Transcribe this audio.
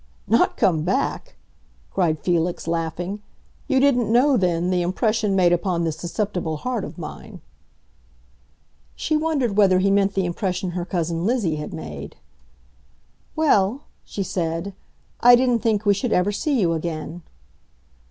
"Not come back!" cried Felix, laughing. "You didn't know, then, the impression made upon this susceptible heart of mine." She wondered whether he meant the impression her cousin Lizzie had made. "Well," she said, "I didn't think we should ever see you again."